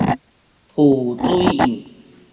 浮水印